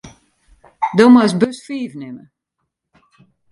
Do moatst bus fiif nimme.